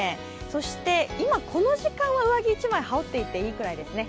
そしてこの時間は上着１枚羽織っていていいぐらいですね。